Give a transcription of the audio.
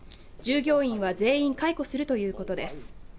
従業員は、全員解雇するということです。